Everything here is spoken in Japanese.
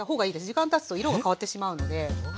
時間たつと色が変わってしまうので。